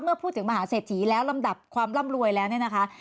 เมื่อพูดถึงมหาเศรษฐีแล้วลำดับความร่ำรวยแล้วเนี่ยนะคะ